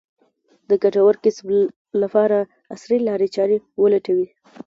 د ګټور کسب لپاره عصري لارې چارې ولټوي.